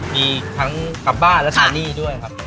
มีทั้งกลับบ้านและใช้หนี้ด้วยครับ